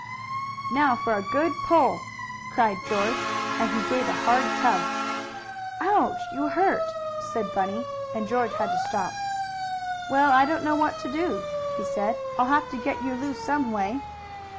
"Now for a good pull!" cried George, and he gave a hard tug. "Ouch! You hurt!" said Bunny, and George had to stop. "Well, I don't know what to do," he said. "I'll have to get you loose some way.